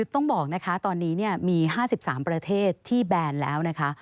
ตอนนี้มี๕๓ประเทศที่แบนแล้วนะคะ